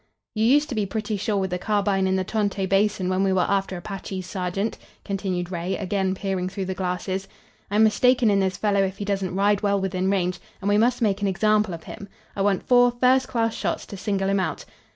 "You used to be pretty sure with the carbine in the Tonto Basin when we were after Apaches, sergeant," continued Ray, again peering through the glasses. "I'm mistaken in this fellow if he doesn't ride well within range, and we must make an example of him. I want four first class shots to single him out."